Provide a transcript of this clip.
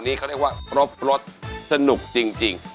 นี่เขาเรียกว่ารบสนุกจริง